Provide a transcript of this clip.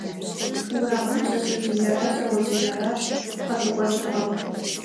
Урамым пшъэшъэжъыерэ шъэожъыерэ къырыкӀощтыгъэх.